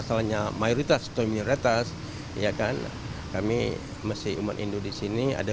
kerajaan darielan ke jalanli sipil inter terminal